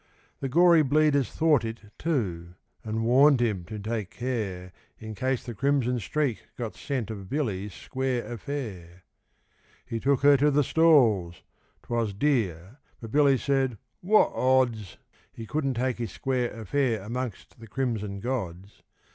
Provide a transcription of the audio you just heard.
The Gory Bleeders thought it too, and warned him to take care In case the Crimson Streak got scent of Billy's square affair. He took her to the stalls; 'twas dear, but Billy said 'Wot odds!' He couldn't take his square affair amongst the crimson gods.